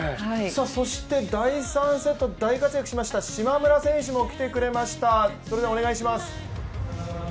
そして第３セット、大活躍しました島村選手も来てくださいました。